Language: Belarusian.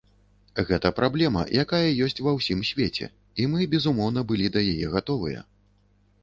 Гэта праблема, якая ёсць ва ўсім свеце, і мы безумоўна былі да яе гатовыя.